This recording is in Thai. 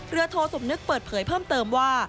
โทสมนึกเปิดเผยเพิ่มเติมว่า